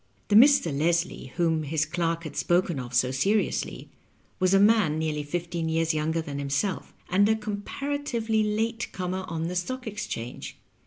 The Mr. Leslie, whom his clerk had spoken of so seriously, was a man nearly fifteen years younger than himself, and a comparatively late comer on the Stock Exchange.